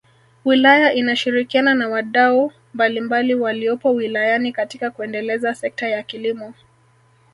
Wilaya inashirikiana na wadau mbalimbali waliopo wilayani katika kuendeleza sekta ya kilimo